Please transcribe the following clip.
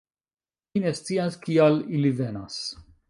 Mi ne scias, kial ili venas....